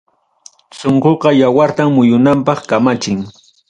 Sunquqa yawartam muyunanpaq kamachin.